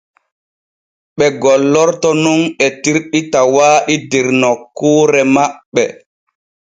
Ɓe gollorto nun etirɗi tawaaɗi der nokkuure maɓɓe.